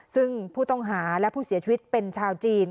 ซึ่งผู้ต้องหาและผู้เสียชีวิตเป็นชาวจีน